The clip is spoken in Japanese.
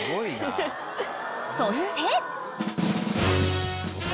［そして］